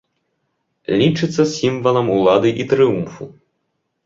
Лічыцца сімвалам улады і трыумфу.